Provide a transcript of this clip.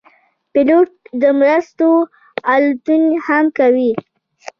پیلوټ د مرستو الوتنې هم کوي.